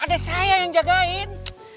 ada saya yang jagain